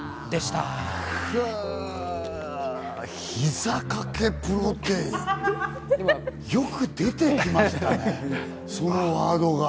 ひざ掛けプロテイン、よく出てきましたね、そのワードが。